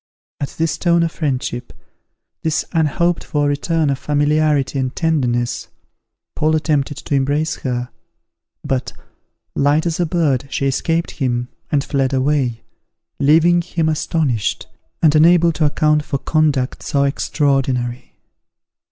At this tone of friendship, this unhoped for return of familiarity and tenderness, Paul attempted to embrace her; but, light as a bird, she escaped him, and fled away, leaving him astonished, and unable to account for conduct so extraordinary.